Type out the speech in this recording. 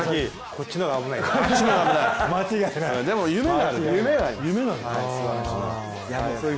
こっちの方が危ない。